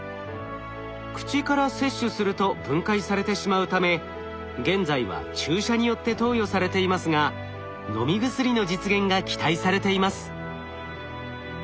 口から摂取すると分解されてしまうため現在は注射によって投与されていますが飲み薬の実現が期待されています。